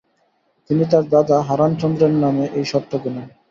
তিনি তার দাদা হারাণচন্দ্রের নামে এই স্বত্ব কেনেন ।